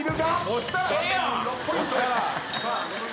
６ポイントです。